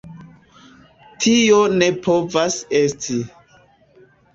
Tio ne povas esti.